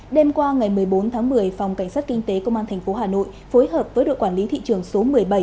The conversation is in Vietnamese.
đêm qua ngày một mươi bốn tháng một mươi phòng cảnh sát kinh tế công an tp hà nội phối hợp với đội quản lý thị trường số một mươi bảy